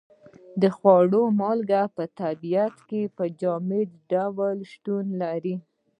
د خوړو مالګه په طبیعت کې په جامد ډول شتون لري.